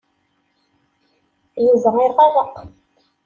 Yuba iɣeṛṛeq.